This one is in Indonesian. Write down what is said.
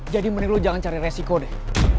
jadi mending lo jangan cari resiko deh